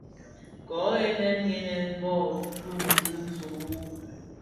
Ko ghènèn ghènèn bi döön zi somo.